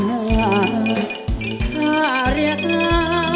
ข้าเรียกข้า